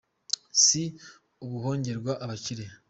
Si ubuhongerwa abakire